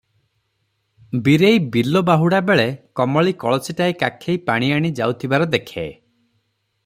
ବୀରେଇ ବିଲ ବାହୁଡ଼ା ବେଳେ କମଳୀ କଳସୀଟିଏ କାଖେଇ ପାଣି ଆଣି ଯାଉଥିବାର ଦେଖେ ।